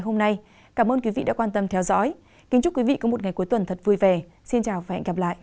hãy đăng ký kênh để ủng hộ kênh của chúng mình nhé